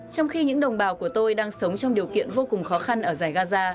trong khi những đồng bào của tôi đang sống trong điều kiện vô cùng khó khăn ở giải gaza